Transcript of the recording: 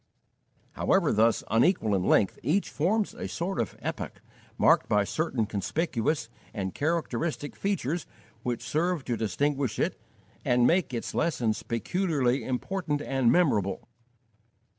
However thus unequal in length, each forms a sort of epoch, marked by certain conspicuous and characteristic features which serve to distinguish it and make its lessons peculiarly important and memorable.